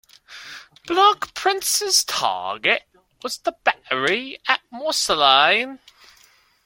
"Black Prince"s target was the battery at Morsalines.